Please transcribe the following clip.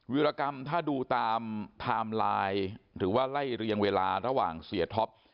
วิรกรรมถ้าดูตามไทม์ไลน์หรือว่าไล่เรียงเวลาระหว่างเสียท็อป